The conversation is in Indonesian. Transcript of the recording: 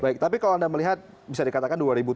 baik tapi kalau anda melihat bisa dikatakan dua ribu dua puluh